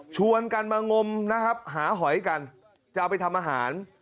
ชวนกันมางมนะครับหาหอยกันจะเอาไปทำอาหาร